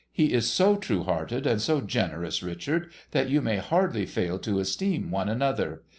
He is so true hearted and so generous, Richard, that you can hardly fail to esteem one another.